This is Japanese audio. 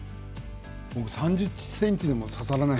僕３０ｃｍでも刺さらない。